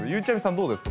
どうですか？